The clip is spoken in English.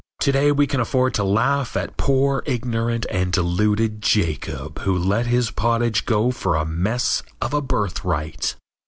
To day we can afford to laugh at poor ignorant and deluded Jacob who let his pottage go for a mess of birthright.